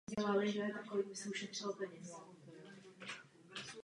Tyto pracovní příležitosti se nazývají profese.